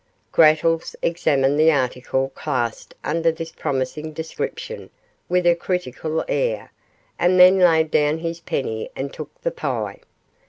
Grattles examined the article classed under this promising description with a critical air, and then laid down his penny and took the pie.